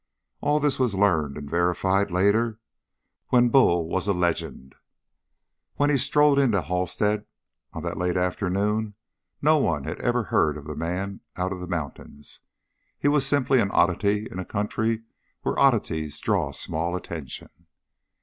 All this was learned and verified later when Bull was a legend. When he strode into Halstead on that late afternoon no one had ever heard of the man out of the mountains. He was simply an oddity in a country where oddities draw small attention.